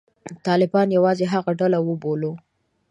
طالبان یوازې هغه ډله وبولو.